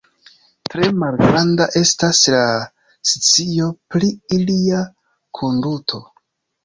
Tre malgranda estas la scio pri ilia konduto.